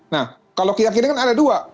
nah kalau keyakinan kan ada dua